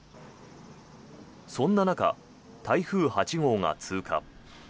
そんな中、台風８号が通過。